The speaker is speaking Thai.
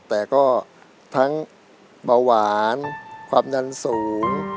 แต่ก็ทั้งเบาหวานความดันสูง